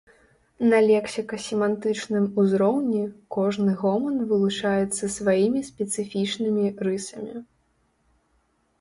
На лексіка-семантычным узроўні кожны гоман вылучаецца сваімі спецыфічнымі рысамі.